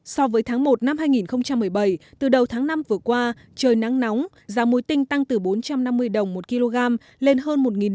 so với tháng một năm hai nghìn một mươi bảy từ đầu tháng năm vừa qua trời nắng nóng giá muối tinh tăng từ bốn trăm năm mươi đồng một kg lên hơn một đồng